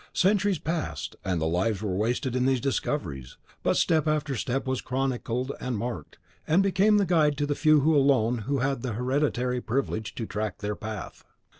Centuries passed, and lives were wasted in these discoveries; but step after step was chronicled and marked, and became the guide to the few who alone had the hereditary privilege to track their path.